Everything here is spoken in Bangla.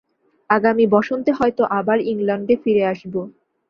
আগামী বসন্তে হয়তো আবার ইংলণ্ডে ফিরে আসব।